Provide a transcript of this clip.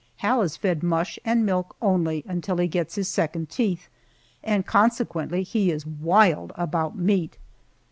Hal is fed mush and milk only until he gets his second teeth, and consequently he is wild about meat.